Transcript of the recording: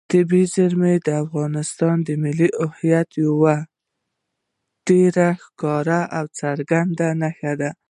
طبیعي زیرمې د افغانستان د ملي هویت یوه ډېره ښکاره او څرګنده نښه ده.